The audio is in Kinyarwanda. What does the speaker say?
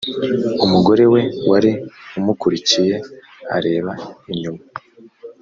umugore we wari umukurikiye areba inyuma